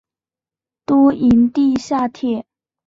都营地下铁